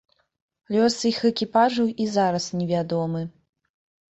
Лёс іх экіпажаў і зараз не вядомы.